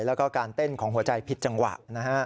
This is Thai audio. แล้วก็การเต้นของหัวใจผิดจังหวะนะฮะ